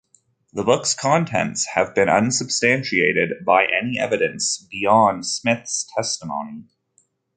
The book's contents have been unsubstantiated by any evidence beyond Smith's testimony.